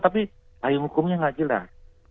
tapi payung hukumnya nggak jelas